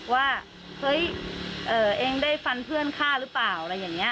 ว่าเฮ้ยเองได้ฟันเพื่อนฆ่าหรือเปล่าอะไรอย่างนี้